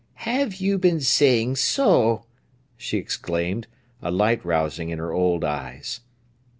"Have you been saying so!" she exclaimed, a light rousing in her old eyes.